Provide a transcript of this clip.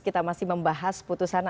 kita masih membahas putusan